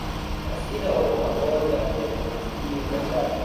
تاثیر آب و هوا در بهزیستی بشر